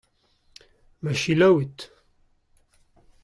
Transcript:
Ma selaouit.